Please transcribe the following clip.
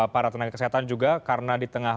para tenaga kesehatan juga karena di tengah